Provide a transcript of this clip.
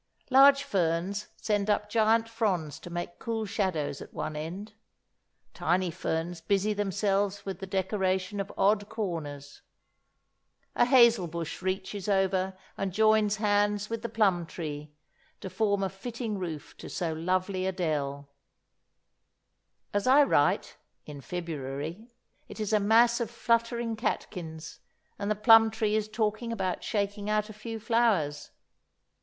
Large ferns send up giant fronds to make cool shadows at one end. Tiny ferns busy themselves with the decoration of odd corners. A hazel bush reaches over and joins hands with the plum tree, to form a fitting roof to so lovely a dell; as I write—in February—it is a mass of fluttering catkins, and the plum tree is talking about shaking out a few flowers.